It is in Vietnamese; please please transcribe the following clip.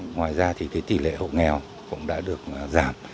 ngoài ra thì tỷ lệ hộ nghèo cũng đã được giảm